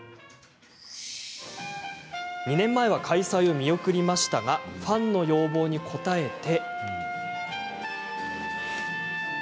２年前は開催を見送りましたがファンの要望に応え。